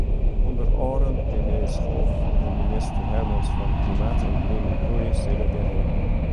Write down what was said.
Under oaren premier Schoof en minister Hermans fan Klimaat en Griene Groei sille derhinne.